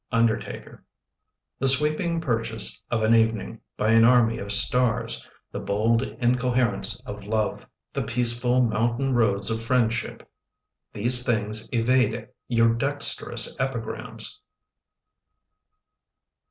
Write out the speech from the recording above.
Undertaker The sweeping purchase of an evening By an army of stars; The bold incoherence of love; [S3] The peaceful mountain roads of friendship — These things evade your dexterous epigrams!